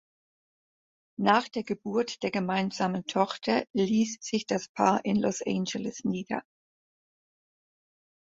Nach der Geburt der gemeinsamen Tochter ließ sich das Paar in Los Angeles nieder.